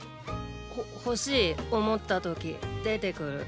ほほしい思ったとき出てくる。